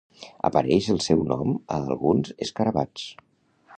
Apareix el seu nom a alguns escarabats.